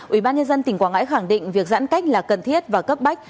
ủy ban nhân dân tỉnh quảng ngãi khẳng định việc giãn cách là cần thiết và cấp bách